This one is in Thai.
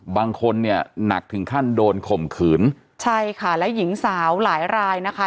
บางคนเนี่ยหนักถึงขั้นโดนข่มขืนใช่ค่ะและหญิงสาวหลายรายนะคะ